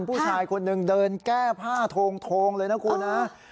ผู้ชายคนหนึ่งเดินแก้ผ้าโทงเลยนะคุณนะ